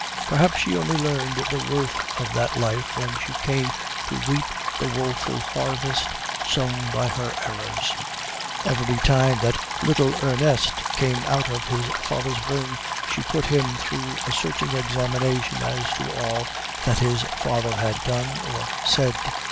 Perhaps she only learned the worth of that life when she came to reap the woeful harvest sown by her errors. "Every time that little Ernest came out of his father's room, she put him through a searching examination as to all that his father had done or said.